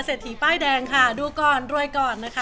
ทีป้ายแดงค่ะดูก่อนรวยก่อนนะคะ